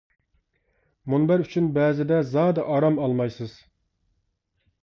مۇنبەر ئۈچۈن بەزىدە، زادى ئارام ئالمايسىز.